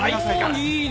いいね。